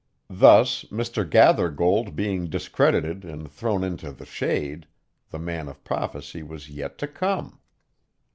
Thus, Mr. Gathergold being discredited and thrown into the shade, the man of prophecy was yet to come.